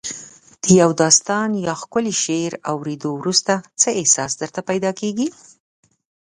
د یو داستان یا ښکلي شعر اوریدو وروسته څه احساس درته پیدا کیږي؟